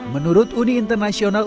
menurut uni internasional tarsius